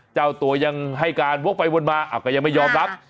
เจ้าตัวยังให้การวกไปวนมาก็ยังไม่ยอมรับ